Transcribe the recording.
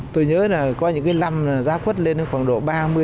tôi nhớ là có những cái lâm giá quất lên khoảng độ ba mươi ba mươi năm